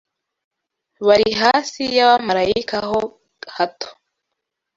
bari hasi y’abamarayika ho hato